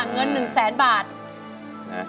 เงิน๑แสนบาท